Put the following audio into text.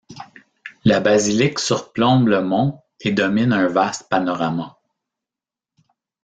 La basilique surplombe le mont et domine un vaste panorama.